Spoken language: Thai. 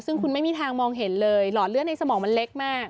ซึ่งคุณไม่มีทางมองเห็นเลยหลอดเลือดในสมองมันเล็กมาก